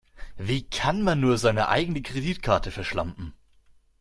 Wie kann man nur seine eigene Kreditkarte verschlampen?